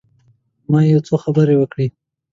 ما یو څو خبرې وکړې.